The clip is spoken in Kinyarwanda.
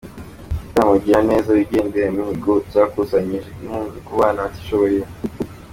Igitaramo Gira neza wigendere ya Mihigo cyakusanyije inkunga ku bana batishoboye